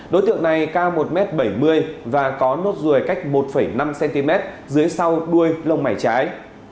đối tượng này cao một m bảy mươi và có nốt ruồi cách một năm cm dưới sau đuôi lông mảy trái